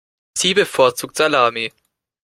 Sie bevorzugt Salami.